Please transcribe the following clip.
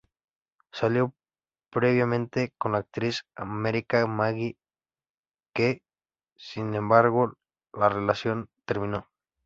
Salió previamente con la actriz americana Maggie Q, sin embargo la relación terminó.